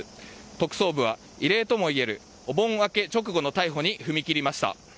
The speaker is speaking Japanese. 特捜部は、異例ともいえるお盆明け直後の逮捕に踏み切りました。